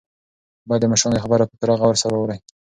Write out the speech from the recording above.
باید د مشرانو خبره په پوره غور سره واورئ.